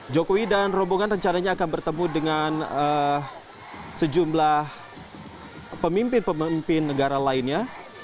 jokowi dan rombongan rencananya akan bertemu dengan sejumlah pemimpin pemimpin negara lainnya